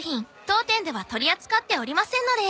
当店では取り扱っておりませんので。